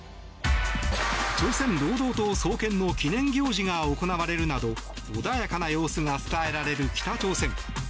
朝鮮労働党創建の記念行事が行われるなど穏やかな様子が伝えられる北朝鮮。